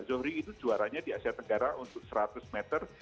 zohri itu juaranya di asia tenggara untuk seratus meter